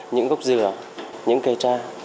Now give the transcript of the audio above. những gốc dừa những cây tra